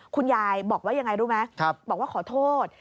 คุณยายบอกว่ายังไงรู้ไหมบอกว่าขอโทษ